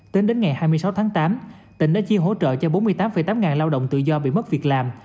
tính đến ngày hai mươi sáu tháng tám tỉnh đã chia hỗ trợ cho bốn mươi tám tám ngàn lao động tự do bị mất việc làm